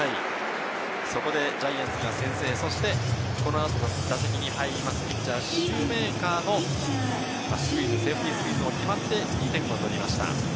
そこでジャイアンツが先制、そしてそのあと打席に入るシューメーカーのセーフティースクイズが決まって２点を取りました。